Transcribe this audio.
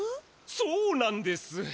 そうなんです。